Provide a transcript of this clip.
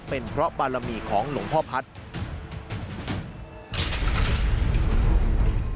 เป็นเพราะบารมีของหลวงพ่อพัฒน์